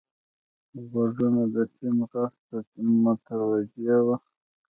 غوږونه د سیند غږ ته متوجه وي